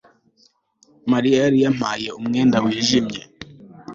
Mariya yari yambaye umwenda wijimye